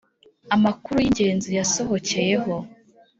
Amakuru y Ingenzi yasohokeyeho